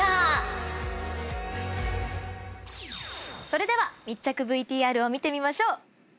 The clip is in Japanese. それでは密着ＶＴＲを見てみましょう。